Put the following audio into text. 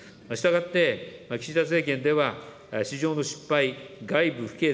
したがって岸田政権では、市場の失敗、がいぶふ